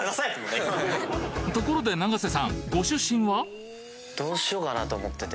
ところで永瀬さんご出身は？